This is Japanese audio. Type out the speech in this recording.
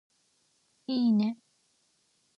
いーね